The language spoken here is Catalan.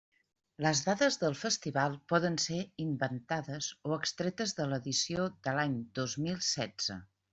Les dades del festival poden ser inventades o extretes de l'edició de l'any dos mil setze.